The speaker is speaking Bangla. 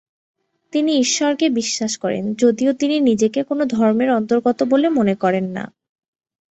তিনি ঈশ্বরকে বিশ্বাস করেন, যদিও তিনি নিজেকে কোনো ধর্মের অন্তর্গত বলে মনে করেন না।